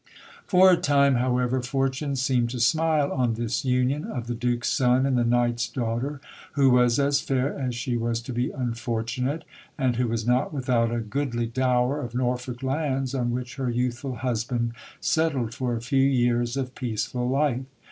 For a time, however, Fortune seemed to smile on this union of the Duke's son and the Knight's daughter, who was as fair as she was to be unfortunate, and who was not without a goodly dower of Norfolk lands, on which her youthful husband settled for a few years of peaceful life.